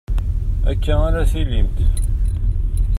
Akka ara tillimt.